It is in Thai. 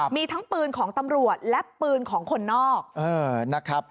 มีทั้งปืนของตำรวจและปืนของคนนอกนะครับ